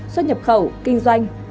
xuất nhập khẩu kinh doanh